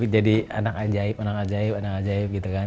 jadi anak ajaib anak ajaib anak ajaib gitu kan